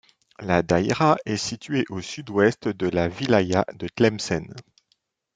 La daïra est située au sud-ouest de la wilaya de Tlemcen.